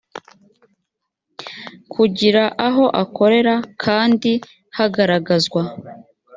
kugira aho akorera kandi hagaragazwa